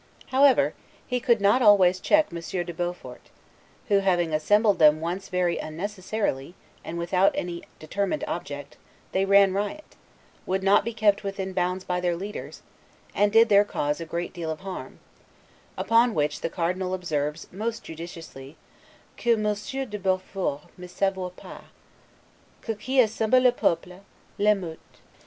However, he could not always check Monsieur de Beaufort; who having assembled them once very unnecessarily, and without any determined object, they ran riot, would not be kept within bounds by their leaders, and did their cause a great deal of harm: upon which the Cardinal observes most judiciously, 'Que Monsieur de Beaufort me savoit pas, que qui assemble le peuple, l'emeut'.